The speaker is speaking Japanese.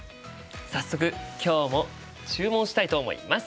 早速今日も注文したいと思います！